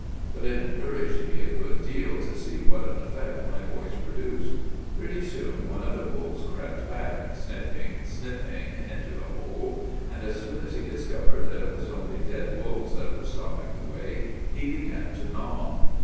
But it encouraged me a good deal to see what an effect my voice produced. "'Pretty soon one of the wolves crept back, sniffing, sniffing, into the hole; and as soon as he discovered that it was only dead wolves that were stopping the way, he began to gnaw.